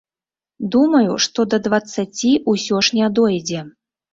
Думаю, што да дваццаці ўсё ж не дойдзе.